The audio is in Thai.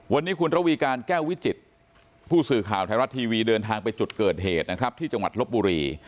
วันนี้คุณระวีการแก้ววิจิตผู้สื่อข่าวไทยรัฐทีวีเดินทางไปจุดเกิดเหตุนะครับที่จังหวัดลบบุรี